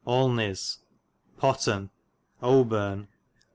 *' Olneys.^ Potton. Owborne.